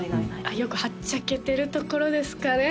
よくはっちゃけてるところですかね